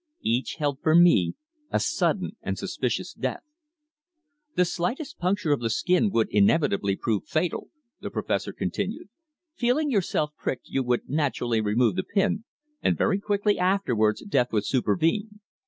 Each held for me a sudden and suspicious death. "The slightest puncture of the skin would inevitably prove fatal," the Professor continued. "Feeling yourself pricked you would naturally remove the pin and very quickly afterwards death would supervene.